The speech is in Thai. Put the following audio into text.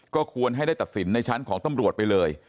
ก็ควรให้ได้ตัดสินในชั้นของตำรวจไปเลย